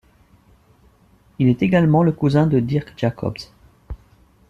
Il est également le cousin de Dirck Jacobsz.